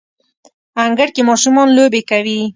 انګړ کې ماشومان لوبې کوي